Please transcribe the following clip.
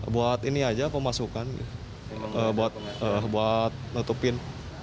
buat ini aja pemasukan buat nutupin